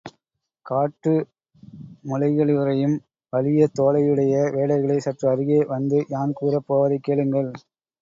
காட்டு முழைகளிலுறையும் வலிய தோளையுடைய வேடர்களே, சற்று அருகே வந்து யான் கூறப் போவதைக் கேளுங்கள்.